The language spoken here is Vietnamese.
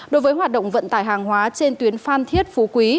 đối với hoạt động vận tải hàng hóa trên tuyến phan thiết phú quý